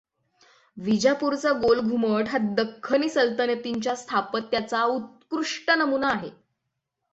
विजापूरचा गोलघुमट हा दख्खनी सल्तनतींच्या स्थापत्याचा उत्कृष्ट नमुना आहे.